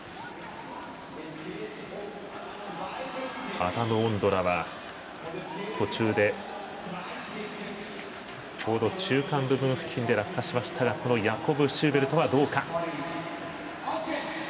アダム・オンドラは、途中で高度、中間部分付近で落下しましたがヤコブ・シューベルトはどうか。